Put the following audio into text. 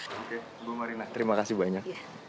oke bu marina terima kasih banyak